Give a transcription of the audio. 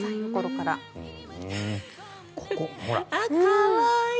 可愛い。